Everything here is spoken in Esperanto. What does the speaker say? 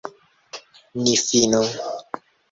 Ni finu.